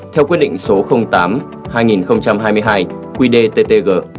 theo quyết định số tám hai nghìn hai mươi hai qdttg